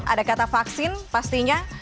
ada kata vaksin pastinya